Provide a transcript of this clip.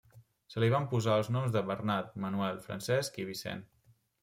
Se li van posar els noms de Bernat, Manuel, Francesc i Vicent.